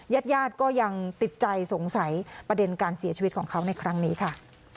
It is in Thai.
ญาติญาติก็ยังติดใจสงสัยประเด็นการเสียชีวิตของเขาในครั้งนี้ค่ะ